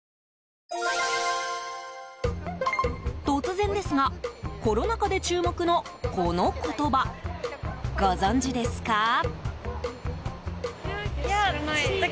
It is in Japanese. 突然ですが、コロナ禍で注目のこの言葉、ご存じですか？